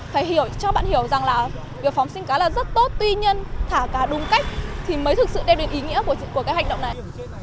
phải hiểu cho bạn hiểu rằng là việc phóng sinh cá là rất tốt tuy nhiên thả cá đúng cách thì mới thực sự đem đến ý nghĩa của cái hành động này